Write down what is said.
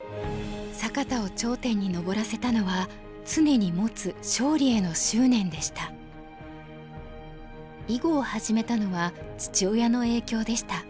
坂田を頂点に上らせたのは常に持つ囲碁を始めたのは父親の影響でした。